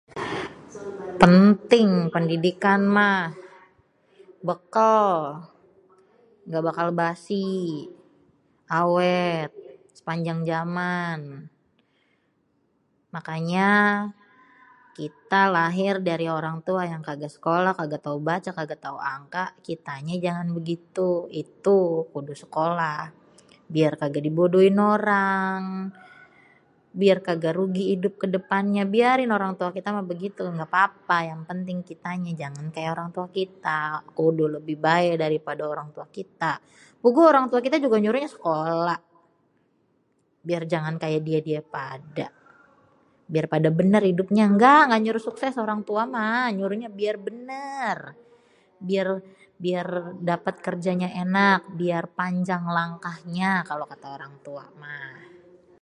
penting pendidikan mah.. bêkêl, ngga bakal basi, awét sepanjang jaman.. mangkanya kita lahir dari orang tua yang kagak sekolah, kagak tau baca, kagak tau angka kitanya jangan begitu.. itu kudu sekolah.. biar kagak dibodohin orang.. biar kagak rugi idup kedepannya.. biarin orang tua kita mah begitu ngga apa-apa.. yang penting kitanya jangan kayak orang tua kita.. kudu lebih baék dari orang tua kita.. bu gu orang tua kita juga nyuruh sekola.. biar jangan kayak dia-dia pada.. biar pada bênêr hidupnya.. nggaaa ngga pada nyuruh sukses orangtua mahh.. nyuruhnya biar bênêr.. biar dapet kerjanya ènak.. biar panjang langkahnya kalo kata orang tua mah..